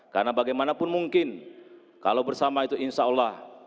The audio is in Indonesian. karena bagaimanapun mungkin kalau bersama itu insyaallah